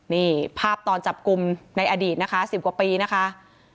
นี่ภาพตอนจับกลุ่มในอดีตนะคะ๑๐กว่าปีนะคะ